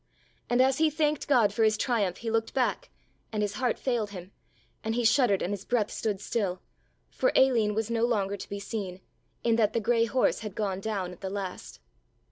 And as he thanked God for his triumph he looked back and his heart failed him, and he shuddered and his breath stood still, for Aline was no longer to be seen, in that the grey horse had gone down at the last.